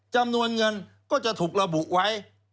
จำนวนเงินก็จะถูกระบุไว้